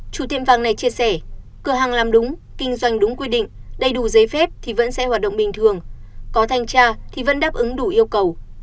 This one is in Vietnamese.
chủ tiệm vàng này chia sẻ cửa hàng làm đúng kinh doanh đúng quy định đầy đủ giấy phép thì vẫn sẽ hoạt động bình thường có thanh tra thì vẫn đáp ứng đủ yêu cầu